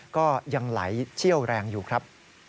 ก็ยังไหลเชี่ยวแรงอยู่ครับ